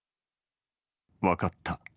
分かった。